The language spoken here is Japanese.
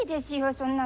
そんなの。